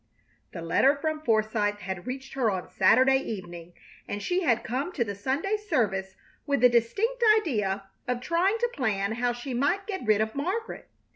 The letter from Forsythe had reached her on Saturday evening, and she had come to the Sunday service with the distinct idea of trying to plan how she might get rid of Margaret.